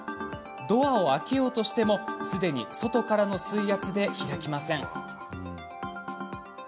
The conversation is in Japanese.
ドアを開けようとしてもすでに外からの水圧で開きません。